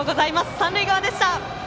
三塁側でした。